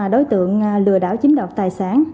đối tượng lừa đảo chiếm đọc tài sản